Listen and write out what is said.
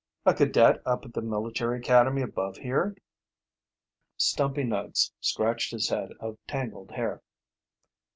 "A cadet up at the military academy above here." Stumpy Nuggs scratched his head of tangled hair.